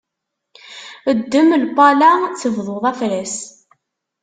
Ddem lpala tebduḍ afras.